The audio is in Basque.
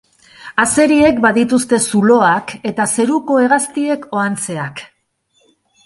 Azeriek badituzte zuloak eta zeruko hegaztiek ohantzeak.